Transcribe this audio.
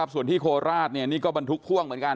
ส่วนที่โคราชนี่ก็บรรทุกพ่วงเหมือนกัน